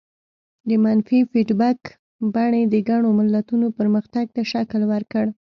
د منفي فیډبک بڼې د ګڼو ملتونو پرمختګ ته شکل ورکړ.